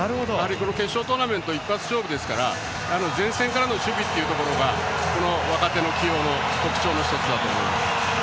決勝トーナメント一発勝負ですから前線からの守備というところが若手の起用の特徴の１つだと思います。